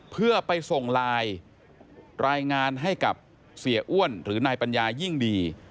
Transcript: เพื่อไปส่งไลน์รายงานให้กับเสียอ้วนหรือนายปัญญายิ่งดี